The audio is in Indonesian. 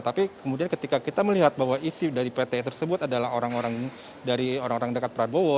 tapi kemudian ketika kita melihat bahwa isi dari pt tersebut adalah orang orang dari orang orang dekat prabowo